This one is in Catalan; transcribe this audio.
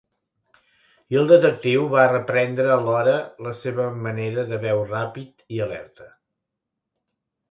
I el detectiu va reprendre alhora la seva manera de veu ràpid i alerta.